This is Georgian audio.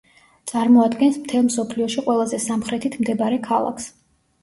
წარმოადგენს მთელ მსოფლიოში ყველაზე სამხრეთით მდებარე ქალაქს.